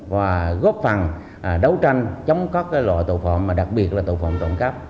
và góp phần đấu tranh chống các loại tội phạm đặc biệt là tội phạm tổng cấp